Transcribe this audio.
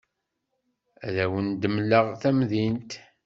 Ad awen-d-mleɣ tamdint.